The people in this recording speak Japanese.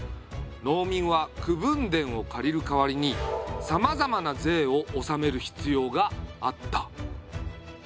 農民は口分田を借りる代わりにさまざまな税を納める必要があった。